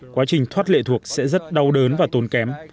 quá trình thoát lệ thuộc sẽ rất đau đớn và tốn kém